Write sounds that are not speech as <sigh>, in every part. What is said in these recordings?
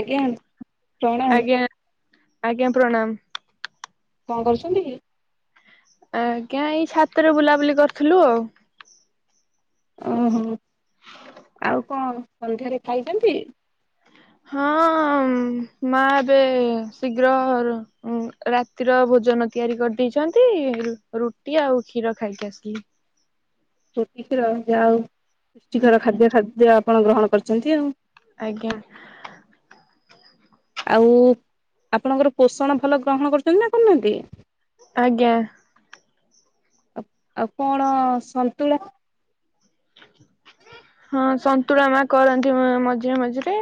ଆଜ୍ଞା ପ୍ରଣାମ। ଆଜ୍ଞା ଆଜ୍ଞା ପ୍ରଣାମ। କଣ କରୁଚନ୍ତି କି? ଆଜ୍ଞା ଏଇ ଛାତରେ ବୁଲାବୁଲି କରୁଥୁଲୁ ଆଉ। ଓ ହୋ। ଆଉ କଣ ସନ୍ଧ୍ୟାରେ ଖାଇଚନ୍ତି? ହଁ ମା ଏବେ ଶୀଘ୍ର ରାତିର ଭୋଜନ ତିଆରି କରିଦେଇଚନ୍ତି। ରୁଟି ଆଉ କ୍ଷୀର ଖାଇକି ଆସିଲି। ରୁଟି କ୍ଷୀର ଯାହା ହୋଉ ରୁଚିକର ଆଜ୍ଞା ଖାଦ୍ୟ ଖାଦ୍ୟ ଆପଣ ଗ୍ରହଣ କରିଚନ୍ତି ଆଉ। ଆଜ୍ଞା। ଆଉ ଆପଣଙ୍କର ପୋଷଣ ଭଲ ଗ୍ରହଣ କରୁଚନ୍ତି ନା କରୁନାହାନ୍ତି? ଆଜ୍ଞା। ଆ ଆଉ କଣ ସନ୍ତୁଳା? <unintelligible> <inaudible> ହଁ ସନ୍ତୁଳା ମା କରନ୍ତି ମଝିରେ ମଝିରେ।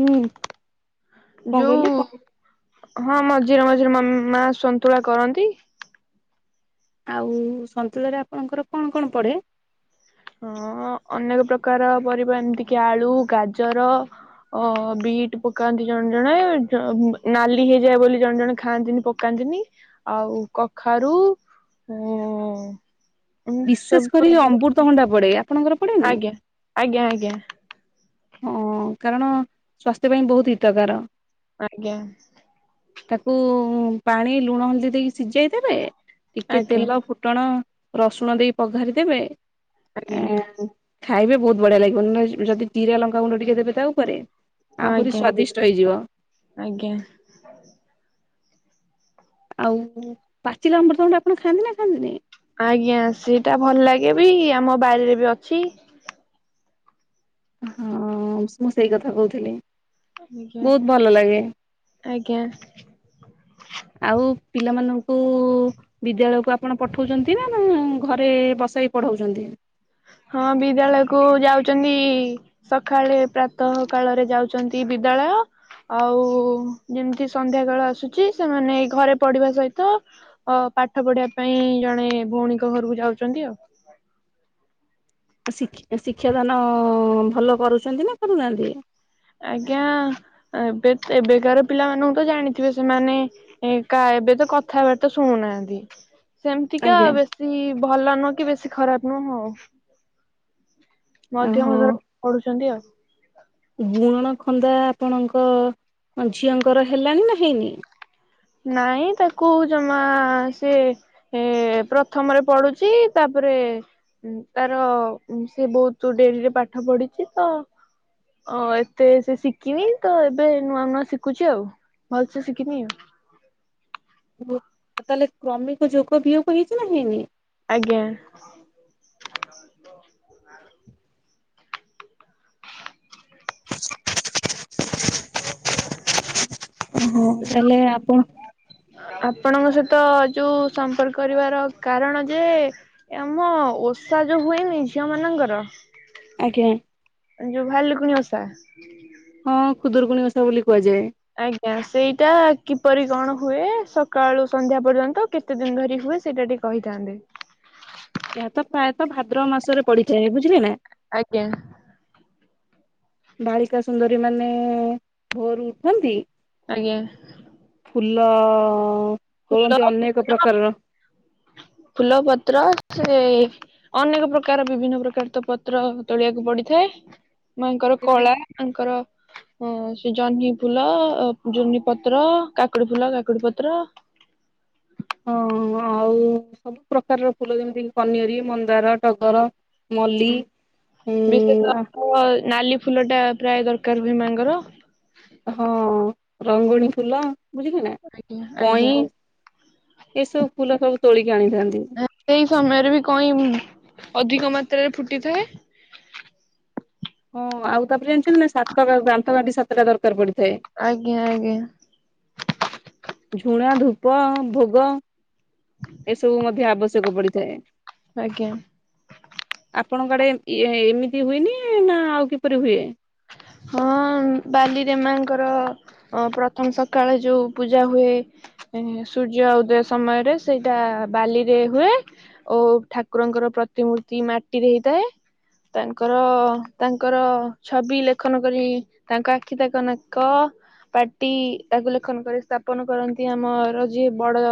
ହୁଁ। କଣ ଯୋଉ କହିଲେ କ ହଁ ମଝିରେ ମଝିରେ ମା ସନ୍ତୁଳା କରନ୍ତି। ଆଉ ସନ୍ତୁଲରେ ଆପଣଙ୍କର କଣ କଣ ପଢେ। ହଁ ଅନେକ ପ୍ରକାର ପରିବା ଏମିତି କି ଆଳୁ ଗାଜର। ଓ ବିଟ୍ ପକାନ୍ତି ଜଣେ ଜଣେ ନାଲି ହେଇଯାଏ ବୋଲି ଜଣେ ଜଣ ଖାଆନ୍ତିନ ପକାନ୍ତି। ନ୍ତିନି ଆଉ କଖାରୁ ଉଁ ବିଶେଷ କରି ଅମୃତଭଣ୍ଡା ପଡେଇଗା। ଆଜ୍ଞା ଆଜ୍ଞା ଆଜ୍ଞା। ହଁ କାରଣ ସ୍ୱାସ୍ଥ୍ୟ ପାଇଁ ବହୁତ ହିତକାର। ଆଜ୍ଞା। ତାକୁ ପାଣି ଲୁଣ ହଳଦୀ ଦେଇକି ସିଝେଇ ଦେେବେ ଟିକେ ଆଜ୍ଞା ଆଜ୍ଞା ତେଲ ଫୁଟଣ ରସୁଣ ଦେଇ ପଘାରି ଦେବେ ଖାଇବେ ବହୁତ ବଢିଆ ଲାଗିବ ଯଦି ଜିରା ଲଙ୍କା ଗୁଣ୍ଡ ଟିକେ ଦେବେ ତା ଉପରେ ଆଜ୍ଞା ଆହୁରି ଆଜ୍ଞା ସ୍ଵାଦିଷ୍ଟ ହେଇଯିବ। ଆଜ୍ଞା ଆଉ ପାଚିଲା ଆମ୍ବର ଭଣ୍ଡା ଆପଣ ଖାଆନ୍ତି ନା ଖାଆନ୍ତିନି। ଆଜ୍ଞା ସେଇଟା ଭଲ ଲାଗେ ବି ଆମ ବାରିରେ ବି ଅଛି। ହଁ ମୁଁ ସେଇ କଥା କହୁଥିଲି। ଆଜ୍ଞା ବହୁତ ଭଲ ଲାଗେ ଆଜ୍ଞା। ଆଉ ପିଲାମାନଙ୍କୁ ବିଦ୍ୟାଳୟକୁ ଆପଣ ପଠଉଛନ୍ତି ନା ନା ଘରେ ବସେଇ ପଢାଉଛନ୍ତି? ହଁ ବିଦ୍ୟାଳୟ କୁ ଯାଉଛନ୍ତି ସକାଳେ ପ୍ରାତ କାଳରେ ଯାଉଛନ୍ତି। ବିିଦ୍ୟାଳୟ ଆଉ ଯେମିତି ସନ୍ଧ୍ୟା କେଳ ଆସୁଛି ସେମାନେ ଘରେ ପଢିବା ସହିତ ଅ ପାଠ ପଢିବା ପାଇଁ ଜଣେ ଭଉଣୀଙ୍କ ଘରକୁ ଯାଉଛନ୍ତି ଆଉ। ଶ ଶିକ୍ଷାଦାନ ଭଲ କରୁଛନ୍ତି ନା କରୁନାହାନ୍ତି। ଆଜ୍ଞା ଏବେ ଏବେକାର ପିଲାମାନଙ୍କୁ ତ ଜାଣିଥିବେ ସେମାନେ କା ଏବେ ତ କଥା ହେବାର୍ତା ଶୁଣୁନାହାନ୍ତି। ସେମତିକା ଆଜ୍ଞା ବେଶୀ ଭଲ ନୁହଁ କି ବେଶୀ ଖରାପ ନୁହଁ ଆଉ। ମଧ୍ୟମ ଧରଣର ପଢୁଛନ୍ତି ଆଉ। ଗୁଣନ ଖନ୍ଦା ଆପଣଙ୍କ ଝିଅଙ୍କର ହେଲାଣି ନା ହେଇନି। ନାଇଁ ତାକୁ ଜମା ସେ ଏ ପ୍ରଥମରେ ପଡୁଛି ତା- ତାପରେ ତାର ସେ ବହୁତ ଡେରିରେ ପାଠ ପଢିଛିତ। ଓ ଏତେ ସେ ଶିଖିନି ତ ଏବେ ନୂଆ ନୂଆ ଶିଖୁଛି ଆଉ। ଭଲସେ ଶିଖିନି। ତାହେଲେ କ୍ରମିକ ଯୋଗ ବିୟୋଗ ହେଇଛି ନା ହେଇନି। ଆଜ୍ଞା। <unintelligible> ହୋ ଯୋଉ ତାହେଲେ ଆପଣ। ଆପଣଙ୍କ ସହିତ ଯୋଉ ସମ୍ପର୍କ କରିବାର କାରଣ ଯେ ଆମ- ସେଟା ଜ ହୁଏନି ଝିଅ ମାନଙ୍କର। ଆଜ୍ଞା। ଯୋହାର ଲୁକୁ ଓସା। ହଁ ଖୁଦୁରକୁୁଣିିଓଷା ବୋଲି କୁହାଯାଏ। ଆଜ୍ଞା ସେଇଟା କିପରି କଣ ହୁଏ ସକାଳୁ ସନ୍ଧ୍ୟା ପର୍ଯ୍ୟନ୍ତ କେତେ ଦିନ ଧରି ହୁଏ? ସେଇଟା ଟିକେ କହିଥାନ୍ତି। ଏହାତ ପ୍ରାୟତଃ ଭାଦ୍ର ମାସରେ ପଡିଥାଏ ବୁଝିଲେ ନା। ଆଜ୍ଞା। ବାଳିକା ସୁନ୍ଦରୀ ମାନେ। ଭୋରୁ ଉଠନ୍ତି। ଆଜ୍ଞା ଫୁଲ। ଫୁଲ ତୋଳନ୍ତି ଅନେକ ପ୍ରକାରର। ଫୁଲ ପତ୍ର ସେ ଅନେକ ପ୍ରକାର ବିଭିନ୍ନ ପ୍ରକାର ତ ପତ୍ର ତୋଳିବାକୁ ପଡିଥାଏ। ଯେ ମାଙ୍କର ଯେମିତି କଳା ତାଙ୍କର। ହଁ ସେ ଜହ୍ନି ଫୁଲ ଜହ୍ନି ପତ୍ର କାକୁଡି ଫୁଲ କାକୁଡି ପତ୍ର। ହଁ ଆଉ ସବୁ ପ୍ରକାରର ଫୁଲ ଯେମିତି କି ପନିରୀ ମନ୍ଦାର ଟଗର ମଲ୍ଲୀ। ବିଶେଷତଃ ନାଲି ଫୁଲ ଟା ପ୍ରାୟ ଦରକାର ହୁଏ ମାଙ୍କର। ହଁ ରଙ୍ଗଣୀ ଫୁଲ ବୁଝିଲେ ନା ଆଜ୍ଞା କଇଁ ଆଜ୍ଞା ଏସବୁ ଫୁଲ ଖାଉୁ ସେଇ ସମୟରେ ବି କଇଁ। ଅଧିକ ମାତ୍ରାରେ ଫୁଟିଥାଏ। ହଁ ଆଉ ତାପରେ ଜାଣିଛନ୍ତି ନା ସାତଟା ଗାନ୍ଥ କାଠି ସାତଟା ଦରକାର ପଡିଛି। ଆଜ୍ଞା ଆଜ୍ଞା। ଝୁଣା ଧୂପ ଭୋଗ ଏସବୁ ମଧ୍ୟ ଆବଶ୍ୟକ ପଡିଥାଏ। ଆଜ୍ଞା। ଆପଣଙ୍କ ଆଡେ ଏମିତି ହୁଏନି ନା ଆଉ କିପରି ହୁଏ। ହଁ ବାଲିରେମାଙ୍କର ପ୍ରଥମ ସକାଳେ ଯୋଉ ପୂଜା ହୁଏ। ସୂର୍ଯ୍ୟ ଉଦୟ ସମୟରେ ସେଇଟା ବାଲିରେ ହୁଏ ଓ ଠାକୁରଙ୍କ। ମାଟିରେ ହେ ତାଙ୍କର ତାଙ୍କର ଛବି ଲେ ଲଖନ କରି ତାଙ୍କ ଆଖି ତାଙ୍କ ନାକ ପାଟି ତାକୁ ଲେଖନ କରି ସ୍ଥାପନ କରନ୍ତି। ଆମର ଯିଏ ବଡ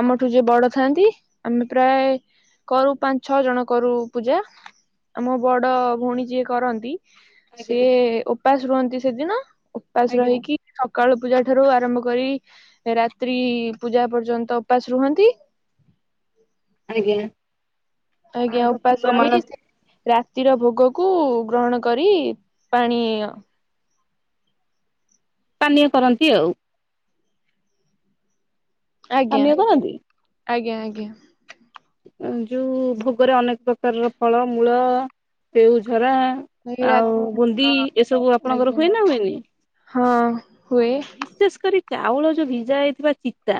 ଆମଠୁ ଯିଏ ବଡ ଥାଆନ୍ତି ଆମେ ପ୍ରାୟେ କରୁ ପାଞ୍ଚ ଛଅ ଜଣ କରୁ ପୂଜା ଆମ ବଡ ଭଉଣୀ ଯିଏ କରନ୍ତି। ଆଜ୍ଞା ସେଏ ଉପାସ ରୁହନ୍ତି ସେଦିନ ଉପାସ ଆଜ୍ଞା ରହିକି ସକାଳୁ। ପୂଜା ଠାରୁ ଆରମ୍ଭ କରି ରାତ୍ରି ପୂଜା ପର୍ଯ୍ୟନ୍ତ ଉପାସ ରୁହନ୍ତି। <inaudible> ଆଜ୍ଞା। ଆଜ୍ଞା ମାଙ୍କ ଉପାସ ଫୁଲମାଳ ରହି ରାତିର ଭୋଗକୁ। କୁ ଗ୍ରହଣ କରି ପାଣି ପାନୀୟ କରନ୍ତି ଆଉ। ଆଜ୍ଞା ପାନୀୟ କରନାହାନ୍ତି। ଆଜ୍ଞା ଆଜ୍ଞା। ଯୋଉ ଭୋଗରେ ଅନେକ ପ୍ରକାରର ଫଳ ମୂଳ କେଉଝରା। ଏ ରା ଆଉ ବୁନ୍ଦି ହଁ ଏସବୁ ଆପଣଙ୍କର ଆଜ୍ଞା ହୁଏ ନା ହୁଏନି। ହଁ ହୁଏ। ବିଶେଷ କରି ଚାଉଳ ଯୋଉ ଭିଜା ହେଇଥିବା ଚିତା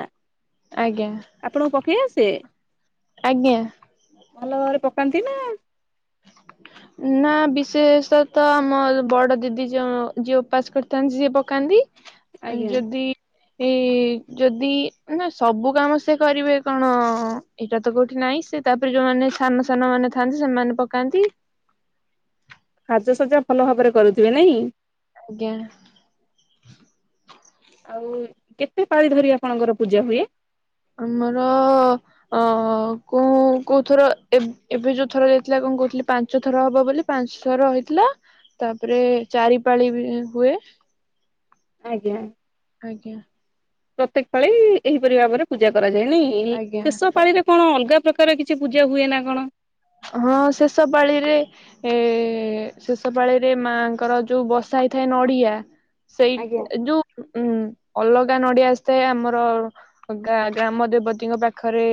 ଆଜ୍ଞା ଆପଣଙ୍କୁ ପକେଇ ଆସେ? ଆଜ୍ଞା। ଭଲ ଭାବରେ ପକାନ୍ତି ନା <inaudible> ନା ବିଶେଷ ତ ଆମ ବଡ ଦିଦି ଯ ଯିଏ ଉପାସ କରିଥାନ୍ତି ସିଏ ପକାନ୍ତି। ଆଜ୍ଞା ଯଦି। ଏଇ ଯଦି ନା ସବୁ କାମ ସେ କରିବେ କଣ ଏଇଟା ତ କୋଉଠି ନାଇଁ ସେ। ତାପରେ ଯୋଉମାନେ ସାନ ସାନ ମାନେ ଥାଆନ୍ତି ସେମାନେ ପକାନ୍ତି। ସାଜସଜା ଭଲ ଭାବରେ କରୁଥିବେ ନାଇଁ? ଆଜ୍ଞା ଆଉ କେତେ ପାଳି ଧରି ଆପଣଙ୍କର ପୂଜା ହୁଏ। ଆମର ଅ କୋଉ କୋଉ ଥର ଏବେ ଯୋଉ ଥର ଯାଇଥିଲା। କଣ କହୁଥିଲି ପାଞ୍ଚ ଥର ହବ ବୋଲି ପାଞ୍ଚ ଥର ହେଇଥିଲା। ତାପରେ ଚାରିପାଳି ବି ହୁଏ। ଆଜ୍ଞା। ଆଜ୍ଞା। ପ୍ରତ୍ୟେକ ପାଳି ଏହିପରି ଭାବରେ ପୂଜା କରାଯାଏ ନ ଆଜ୍ଞା ଶେଷ ପାଳିରେ କଣ ଅଲଗା। ପ୍ରକାର କିଛି ପୂଜା ହୁଏ ନା କଣ? ହଁ ଶେଷ ପାାଳିରେ ଏ ଶେଷ ପାାଳିରେ ମାଙ୍କର ଯୋଉ ବସା ହେ ଥାଏ ନଡିଆ ସେଇ ଆଜ୍ଞା ଯୋଉ ଉଁ ଅଲଗା ନଡିଆ ଆସିଥାଏ। ଆମର ଗାଁ ଗ୍ରାମ ଦେବତୀଙ୍କ ପାଖରେ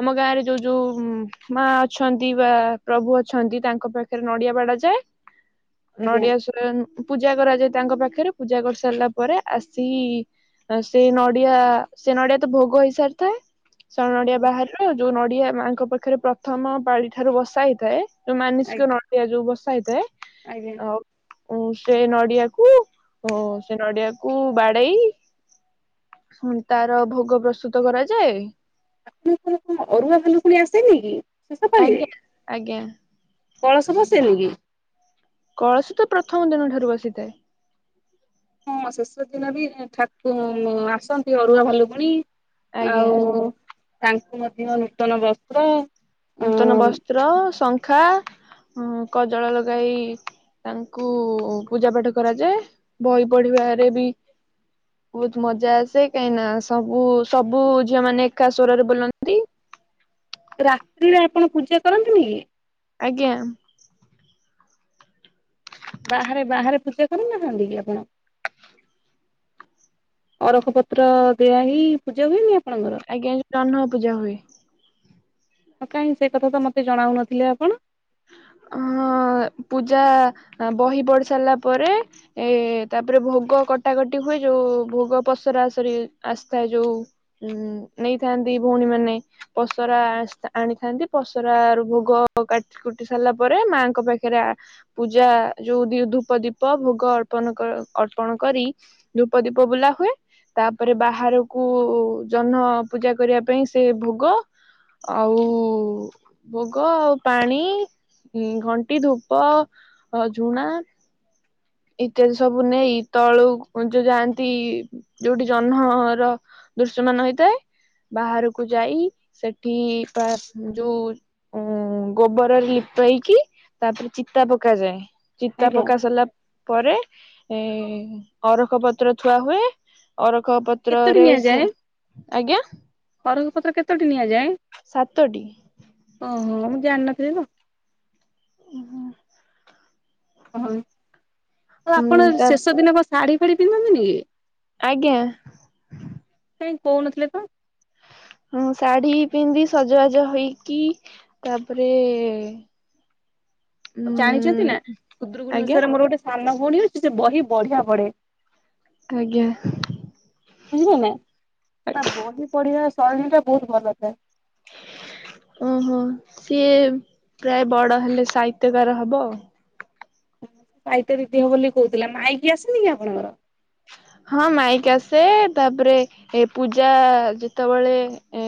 ଆମ ଗାଁ ରେ ଯୋଉ- ଯୋଉ ମା ଅଛନ୍ତି। ଶିବା ପ୍ରଭୁ ଅଛନ୍ତି ତାଙ୍କ ପାଖରେ ନଡିଆ ବାଡା ଯାଏ। ଆଜ୍ଞା ନଡିଆ ପୂଜା କରାଯାଏ ତାଙ୍କ ପାଖରେ ପୂଜା କରିସାରିଲା ପରେ ଆସିକି - ସେ ନଡିଆ ସେ ନଡିଆ ତ ଭୋଗ ହେଇସାରିଥାଏ। ସ ନଡିଆ ବାହାରୁ ଯୋଉ ନଡିଆ ମାଙ୍କ ପାଖରେ ପ୍ରଥମ ପାଳି ଠାରୁ ବସା ହେଇଥାଏ। ଯଉ ମାନସିକ ନଡିଆ ଯୋଉ ବସା ହେଇଥାଏ। ଆଜ୍ଞା ଉ ସେ ନଡିଆକୁ ଓ ସେ ନଡିଆକୁ ବାଡେଇ- ହୁଁ ତାର ଭୋଗ ପ୍ରସ୍ତୁତ କରାଯାଏ। ଆପଣଙ୍କଣ ଅରୁଆ ଭାଲୁକୁଣି ଆସେନି କି? ଶେଷ ପାଳିରେ ଆଜ୍ଞା ଆଜ୍ଞା। କଳସ ବସେନି କି? କଳସ ତ ପ୍ରଥମ ଦିନ ଠାରୁ ବସିଥାଏ। ହଁ ଶେଷ ଦିନ ବି ଠାକୁ ଆସନ୍ତି ଅରୁଆ ଭାଲୁ ଭୁଣୀ। ଆଜ୍ଞା ଆଉ ତାଙ୍କୁ ମଧ୍ୟ ନୂତନ ବସ୍ତ୍ର। ଅ ନୂତନ ବସ୍ତ୍ର ଶଙ୍ଖା କଜଳ ଲଗାଇ- ତାଙ୍କୁ ପୂଜା ପାଠ କରାଯାଏ ବହି ପଢିବାରେ ବି ବହୁତ ମଜା ଆସେ କାହିଁ ନା ସବୁ ସବୁ ଝିଅ ମାନେ ଏକା ଶ୍ୱରରେ ବୁଲନ୍ତି। ରାତ୍ରିରେ ଆପଣ ପୂଜା କରନ୍ତିନି କି? ଆଜ୍ଞା। ବାହାରେ ବାହାରେ ପୂଜା କରୁନାଥାନ୍ତି କି ଆପଣ? ଅରଖ ପତ୍ର ଦିଆ ହେଇ ପୂଜା ହୁଏ ନି ଆ ଆଜ୍ଞା ଜହ୍ନ ପୂଜା ହୁଏ। କାହିଁ ସେ କଥା ତ ମତେ ଜଣାଉନଥିଲେ ଆପଣ? ହୁଁ। ଅ ପୂଜା ବହି ପଢି ସାରିଲା ପରେ ଏ ତାପରେ ଭୋଗ କଟାକଟି ହୁଏ ଯୋଉ ଭୋଗ ପସରାସରି ଆସିଥାଏ ଯୋଉ ଉ ନେଇଥାନ୍ତି ଭଉଣୀ ମାନେ ପସରା ଆଣିଥାନ୍ତି ପସରା ର ଭୋଗ କାଟି କୁଟି ସାରିଲା ପରେ ମାଆଙ୍କ ପାଖରେ ପୂଜା ଯୋଉି ଧୂପ ଦୀପ ଭୋଗ ଅର୍ପଣ କରି ଅର୍ପଣ କରି ଧୂପ ଦୀପ ବୁଲା ହୁଏ। ତାପରେ ବାହାରକୁ ଜହ୍ନ ପୂଜା କରିବା ପାଇଁ ସେ ଭୋଗ ଆଉ ଭୋଗ ଆଉ ପାଣି ଘଣ୍ଟି ଧୂପ ଝୁଣା ଇତ୍ୟାଦି ସବୁ ନେଇ ତଳୁ ଯୋଉ ଯାଆନ୍ତି ଯୋଉଠି ଜହ୍ନ ର ଦୃଶ୍ <unintelligible> ହୋଇଥାଏ। ବାହାରକୁ ଯାଇ ସେଠି ପା ଯୋଉ ଉ ଗୋବରରେ ଲିପେଇକି ତାପରେ ଚିତା ପକାଯାଏ ଚିତା ଆଜ୍ଞା। ପକା ସାରିଲା ପରେ ଏ ଅରଖ ପତ୍ର ଥୁଆ ହୁଏ ଅରଖ ଙ୍କ କେତୋଟି ପତ୍ରରେ ସିଏ ନିଆଯାଏ? ଆଜ୍ଞା? ଅରଖ ପତ୍ର କେତୋଟି ନିଆଯାଏ? ସାତଟି ଓହୋ ମୁଁ ଜାଣିିନଥିଲି ତ। ଓ ହୋ। ଓହୋ ଆଉ ଉଁ ଆପଣ ତା ଶେଷ ଦିନ କ ଶାଢୀ ଫାଢୀ ପିନ୍ଧନ୍ତିନି କି? ଆଜ୍ଞା। କାଇଁ କୋହୁନଥିଲେ ତ? ହଁ ଶାଢୀ ପିନ୍ଧି ସଜବାଜ ହେଇକି ତାପରେ ଆଉ ଉଁ ଜାଣିଚନ୍ତି ନା ଖୁଦୁରୁକୁଣୀ ଆଜ୍ଞା ଓଷାରେ ମୋର ଗୋଟେ ସାନ ପୁଣି ହୋଇଚି ସେ ବହି ବଢିଆ ପଢେ। ଆଜ୍ଞା। ବୁଝିଲେ ନା ନା ବହି ପଢିବା ଶରରୀ ଟା ବହୁତ ଭଲ ଥାଏ। <inaudible> ଓହୋ ସିଏ ପ୍ରାୟ ବଡ ହେଲେ ସାହିତ୍ୟକାର ହବ ଆଉ। ପାଇତେ ଦିଦି ହ ବୋଲି କହୁଥିଲା ମାଇକି ଆସିନି କି ଆପଣଙ୍କର? ହଁ ମାଇକ୍ ଆସେ ତାପରେ ଏ ପୂଜା ଯେତେବେଳେ ଏ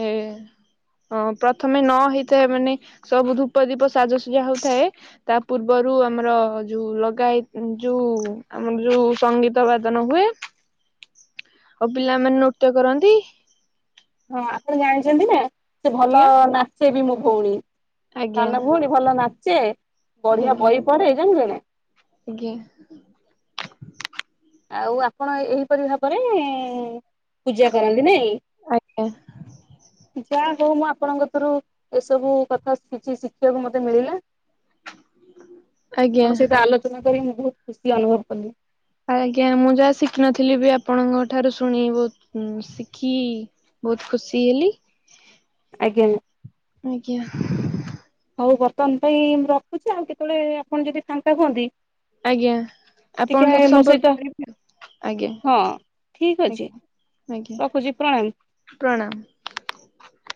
ହଁ ପ୍ରଥମେ ନ ହେଇଥାଏ ମାନେ ସବୁ ଧୂପ ଦୀପ ସାଜସଜା ହଉଥାଏ ତା ପୂର୍ବ ରୁ ଆମର ଯୋଉ ଲଗାଇ ଯୋଉ ଆମର ଯୋଉ ସଙ୍ଗୀତ ବାଦନ ହୁଏ। ଆଉ ପିଲାମାନେ ନୃତ୍ୟ କରନ୍ତି। ହଁ ଆପଣ ଜାଣିଛନ୍ତି ନା? ସେ ଭଲ ଆଜ୍ଞା ନାଚେ ବି ମୋ ଭଉଣୀ। ଆଜ୍ଞା ସାନ ଭଉଣୀ ଭଲ ନାଚେ ବଢିଆ ବହି ପଢେ ଜାଣିଲେ ନା। ଆଜ୍ଞ। ଆଉ ଆପଣ ଏହିପରି ଭାବରେ ଏ ପୂଜା କରନ୍ତି ନାଇଁ ଆଜ୍ଞା ଯା ହଉ ମୁଁ ଆପଣଙ୍କ ରୁ ଏସବୁ କଥା କିଛି ଶିଖିବାକୁ ମତେ ମିଳିଲା। ଆଜ୍ଞା। ଆପଣଙ୍କ ସହିତ ଆଲୋଚନା କରି ମୁଁ ବହୁତ ଖୁସି ଅନୁଭବ କଲି। ଆଜ୍ଞା ମୁଁ ଯାହା ଶିଖିନଥିଲି ବି ଆପଣଙ୍କ ଠାରୁ ଶୁଣିଲି ବୋହୁତ ଶିଖି ବହୁତ ଖୁସି ହେଲି। ଆଜ୍ଞା। ଆଜ୍ଞା। ହଉ ବର୍ତ୍ତମାନ ପାଇଁ ମୁଁ ରଖୁଛି ଆଉ କେତେବେଳେ ଆପଣ ଯଦି ଫାଙ୍କା ହୁହନ୍ତି ଆଜ୍ଞା ଆପଣଙ୍କ ସହିତ ସମ୍ପର୍କ। <unintelligible> ଆଜ୍ଞା ହଁ ଠିକ ଅଛି। ଆଜ୍ଞା ଆଜ୍ଞା ରଖୁଛି ପ୍ରଣାମ। ପ୍ରଣାମ। <inaudible>